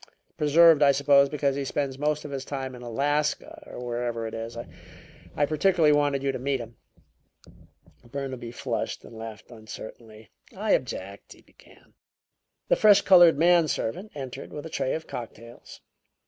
Preserved, I suppose, because he spends most of his time in Alaska, or wherever it is. I particularly wanted you to meet him." Burnaby flushed and laughed uncertainly. "I object " he began. The fresh colored man servant entered with a tray of cocktails.